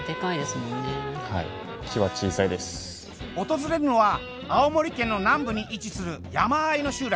訪れるのは青森県の南部に位置する山あいの集落。